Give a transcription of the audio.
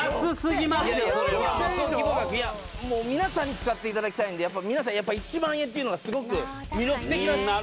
もう皆さんに使っていただきたいんで皆さんやっぱ１万円っていうのがすごく魅力的なんです